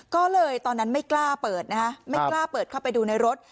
ก็เลยตอนนั้นไม่กล้าเปิดนะฮะไม่กล้าเปิดเข้าไปดูในรถ